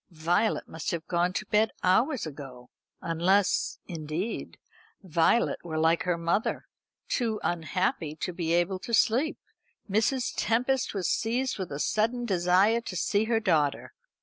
Violet must have gone to bed hours ago; unless, indeed, Violet were like her mother, too unhappy to be able to sleep. Mrs. Tempest was seized with a sudden desire to see her daughter.